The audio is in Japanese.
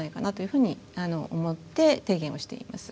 ふうに思って提言をしています。